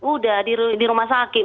udah di rumah sakit